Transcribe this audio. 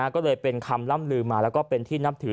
ก็เลยเป็นคำล่ำลืมมาแล้วก็เป็นที่นับถือ